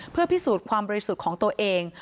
เพื่อพิสูจน์ความบริสุทธิ์ของตัวเอง